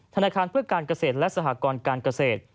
ธนาคารเพื่อการเกษตรและสหกรการเกษตร